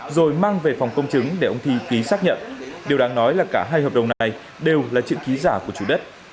rồi mang về phòng công chứng để ông thi ký xác nhận điều đáng nói là cả hai hợp đồng này đều là chữ ký giả của chủ đất